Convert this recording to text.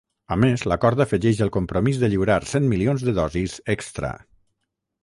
A més, l’acord afegeix el compromís de lliurar cent milions de dosis extra.